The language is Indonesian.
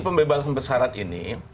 pembebasan bersyarat ini